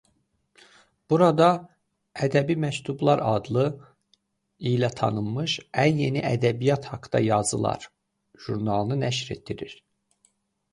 Burada "Ədəbi Məktublar" adı ilə tanınmış "Ən yeni ədəbiyyat haqda yazılar" jurnalını nəşr etdirir.